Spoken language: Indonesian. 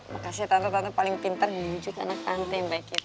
makasih tante tante paling pintar diwujud anak tante yang baik itu